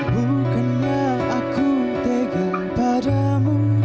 bukannya aku tegang padamu